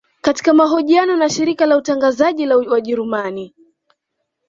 Katika mahojiano na shirika la utangazaji la wajerumani